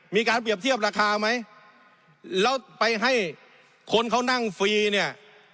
มีการเปรียบเทียบราคาไหมแล้วไปให้คนเขานั่งฟรีเนี่ย